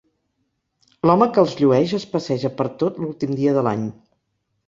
L'home que els llueix es passeja pertot l'últim dia de l'any.